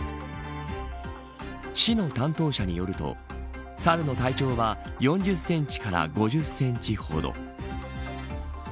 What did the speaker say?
市の担当者によるとサルの体長は４０センチから５０センチほど。